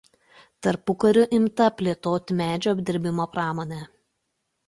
Tarpukariu imta plėtoti medžio apdirbimo pramonę.